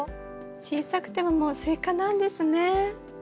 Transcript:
小さくてももうスイカなんですね。